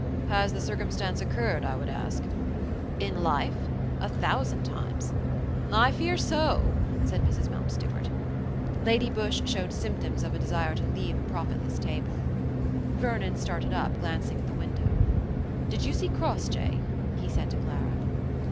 "Has the circumstance occurred, I would ask?" "In life? a thousand times." "I fear so," said Mrs. Mountstuart. Lady Busshe showed symptoms of a desire to leave a profitless table. Vernon started up, glancing at the window. "Did you see Crossjay?" he said to Clara.